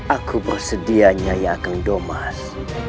aku bersedia nyai akan domas